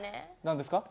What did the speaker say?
何ですか？